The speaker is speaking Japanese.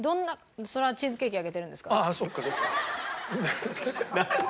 ああそっかそっか。